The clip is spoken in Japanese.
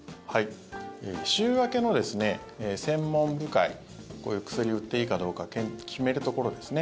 週明けの専門部会薬を売っていいかどうか決めるところですね。